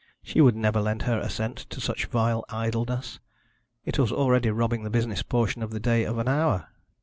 She would never lend her assent to such vile idleness. It was already robbing the business portion of the day of an hour.